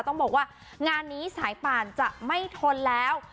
ต้องบอกว่างานนี้สายป่านจะไม่ทนแล้ว